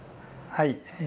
はい。